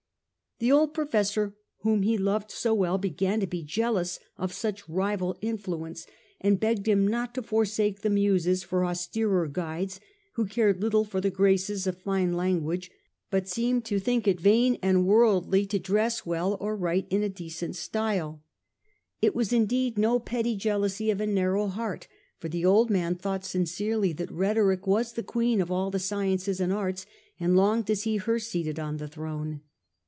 The old professor whom he loved so well began to be jealous of such rival influence, and begged him not to forsake the Muses for austerer guides, who cared little for the graces of fine language, but seetned to think it 147 1 8o. Marcus Aurelius Antoninus, 83 vain and worldly to dress well or write a decent style. It was indeed no petty jealousy of a narrow heart, for the old man thought sincerely that rhetoric was the queen of all the sciences and arts, and longed to see her seated on the throne.